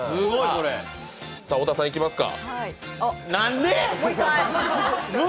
さあ、小田さんいきますか。